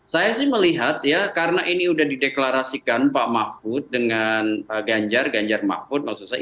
saya sih melihat ya karena ini sudah dideklarasikan pak mahfud dengan pak ganjar ganjar mahfud maksud saya